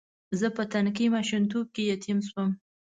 زه په تنکي ماشومتوب کې یتیم شوم.